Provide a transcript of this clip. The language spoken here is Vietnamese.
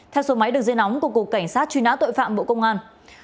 theo số máy đường dây nóng của cục cảnh sát truy nã tội phạm bộ công an